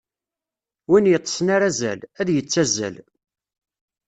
Win yeṭṭsen ar azal, ad d-yettazzal.